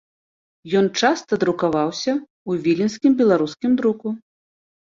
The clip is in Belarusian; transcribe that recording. Ён часта друкаваўся ў віленскім беларускім друку.